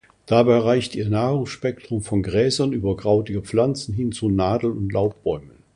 Dabei reicht ihr Nahrungsspektrum von Gräsern über krautige Pflanzen hin zu Nadel- und Laubbäumen.